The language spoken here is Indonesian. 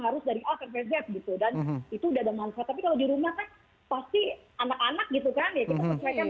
harus dari oh itu udah ada manfaat tapi kalau di rumah pasti anak anak gitu kan ya kita sesuaikan